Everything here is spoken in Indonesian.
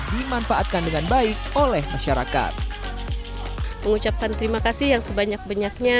dimanfaatkan dengan baik oleh masyarakat mengucapkan terima kasih yang sebanyak banyaknya